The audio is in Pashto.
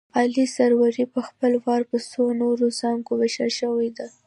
عالي سروې په خپل وار په څو نورو څانګو ویشل شوې ده